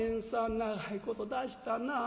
長いことだしたなあ。